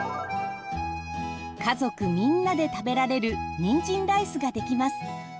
家族みんなで食べられるにんじんライスができます。